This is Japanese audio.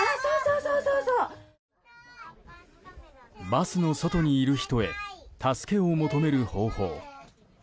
バスの外にいる人へ助けを求める方法。